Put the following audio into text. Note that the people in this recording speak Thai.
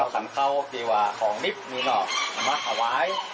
ขันเข้าของนิสมีมะขวาย